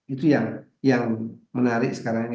itu yang menarik sekarang ini